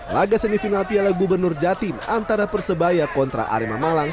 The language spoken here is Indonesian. laga semifinal piala gubernur jatim antara persebaya kontra arema malang